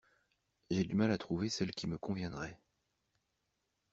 J'ai du mal à trouver celle qui me conviendrait.